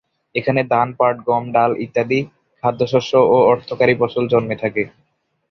এখানে ধান, পাট, গম, ডাল ইত্যাদি খাদ্যশস্য ও অর্থকরী ফসল জন্মে থাকে।